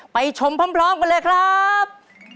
ไปชมพร้อมกันเลยครับ